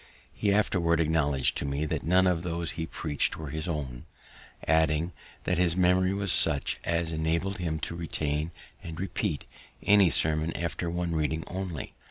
He afterward acknowledg'd to me that none of those he preach'd were his own; adding, that his memory was such as enabled him to retain and repeat any sermon after one reading only.